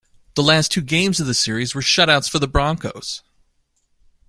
The last two games of the series were shoutouts for the Broncos.